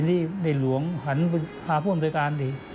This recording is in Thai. นี่ในหลวงหันไปหาผู้อำนวยการสิ